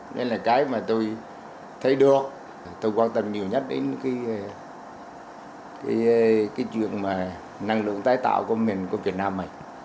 nên là cái mà tôi thấy được tôi quan tâm nhiều nhất đến cái chuyện năng lượng tái tạo của mình của việt nam này